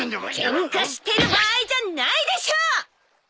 ケンカしてる場合じゃないでしょ！